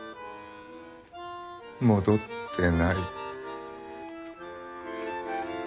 戻ってないッ。